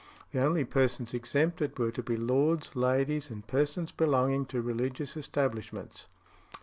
The only persons exempted were to be lords, ladies, and persons belonging to religious establishments.